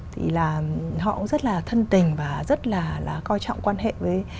thì là họ cũng rất là thân tình và rất là coi trọng quan hệ với